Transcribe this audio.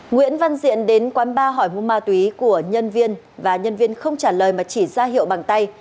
nguyễn văn diện đến quán bar hỏi mua ma túy của nhân viên và nhân viên không trả lời mà chỉ ra hiệu bằng tay